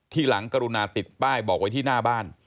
ทีหลังกรุณาติดป้ายบอกไว้ที่หน้าบ้าน